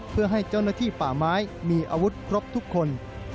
เพื่อให้เจ้าหน้าที่ป่าไม้มีอาวุธครบทุกคน